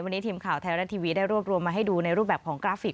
วันนี้ทีมข่าวไทยรัฐทีวีได้รวบรวมมาให้ดูในรูปแบบของกราฟิก